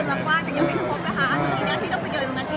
ต้องมาค่ะ